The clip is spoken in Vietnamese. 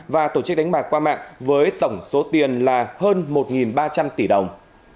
và tổ chức đánh bạc qua mạng với tổng số tiền là hơn một ba trăm linh tỷ đồng